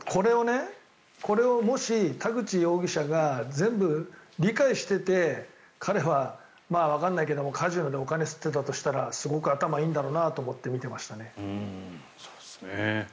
これをもし、田口容疑者が全部理解していて彼は、わからないけれどもカジノでお金をすっていたとしたらすごく頭がいいんだろうなと思って、見てましたね。